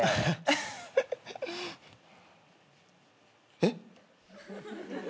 えっ？